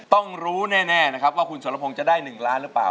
ต้องรู้แน่นะครับว่าคุณสรพงศ์จะได้๑ล้านหรือเปล่า